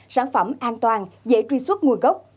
sản phẩm an toàn dễ truy xuất nguồn gốc